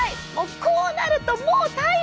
こうなるともう大変！